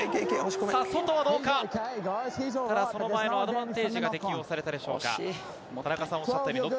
外はどうか、その前のアドバンテージが適用されたでしょうか？